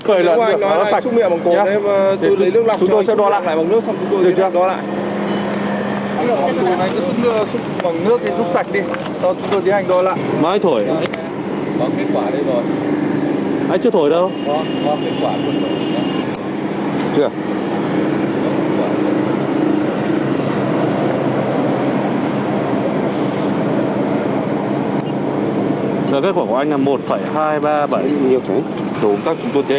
anh nói là xúc miệng bằng cồn tôi lấy nước lọc cho anh xúc miệng